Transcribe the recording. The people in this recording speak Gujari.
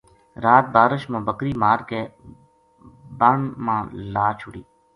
رات بارش ما بکری مار کے بن ما لا چھُڑی